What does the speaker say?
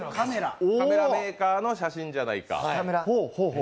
カメラメーカーじゃないか。